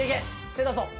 手出そう。